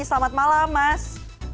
selamat malam mas